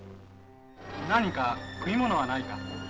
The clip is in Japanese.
何か食い物はないか。